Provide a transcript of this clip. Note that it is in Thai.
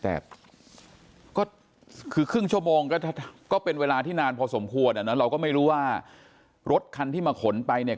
แต่ก็คือครึ่งชั่วโมงก็เป็นเวลาที่นานพอสมควรอ่ะเนอะเราก็ไม่รู้ว่ารถคันที่มาขนไปเนี่ย